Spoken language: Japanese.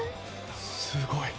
すごい。